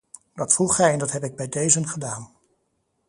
Dat vroeg hij en dat heb ik bij dezen gedaan!